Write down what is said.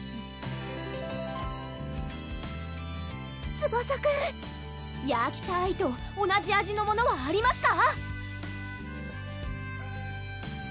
ツバサくんヤーキターイと同じ味のものはありますか？